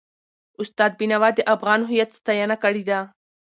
استاد بینوا د افغان هویت ستاینه کړې ده.